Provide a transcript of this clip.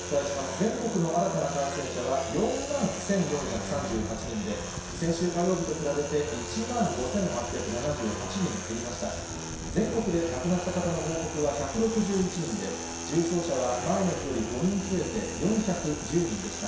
全国の新たな感染者は４万１４３８人で、先週火曜日と比べて１万５８７８人減りました。